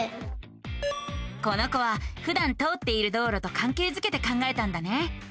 この子はふだん通っている道路とかんけいづけて考えたんだね。